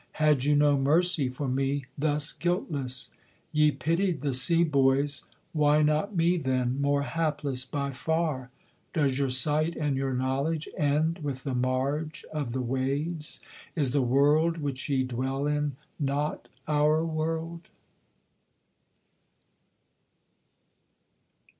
Had you no mercy for me, thus guiltless? Ye pitied the sea boys: Why not me, then, more hapless by far? Does your sight and your knowledge End with the marge of the waves? Is the world which ye dwell in not our world?'